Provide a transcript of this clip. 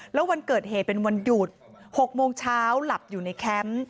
แล้ววันเกิดเหตุเป็นวันหยุด๖โมงเช้าหลับอยู่ในแคมป์